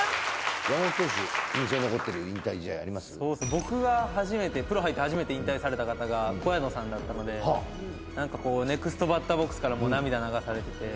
僕がプロに入って初めて引退された方が小谷野さんだったのでネクストバッターボックスからもう涙を流されていて。